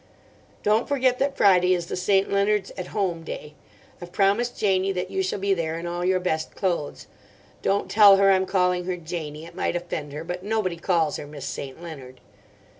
"Don't forget that Friday is the St. Leonards' 'At Home' day. I've promised Janie that you shall be there in all your best clothes. (Don't tell her I'm calling her Janie. It might offend her. But nobody calls her Miss St. Leonard.)